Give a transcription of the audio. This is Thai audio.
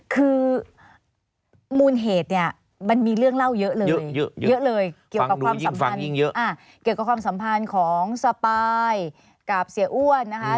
คือมูลเหตุเนี่ยมันมีเรื่องเล่าเยอะเลยเยอะเลยเกี่ยวกับความสัมพันธ์เกี่ยวกับความสัมพันธ์ของสปายกับเสียอ้วนนะคะ